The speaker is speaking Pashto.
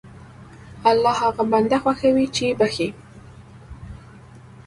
الله هغه بنده خوښوي چې بخښي.